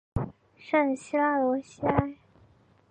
圣西拉罗西埃。